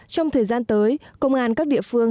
trong thời gian tới công an các địa phương